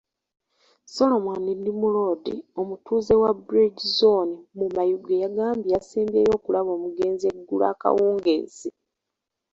Solomon Ndimulodi, omutuuze wa Bridge zooni mu Mayuge yagambye yasembyeyo okulaba omugenzi eggulo akawungeezi.